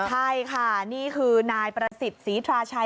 ใช่ค่ะนี่คือนายประสิทธิ์ศรีทราชัย